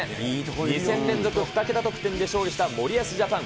２戦連続２桁得点で勝利した森保ジャパン。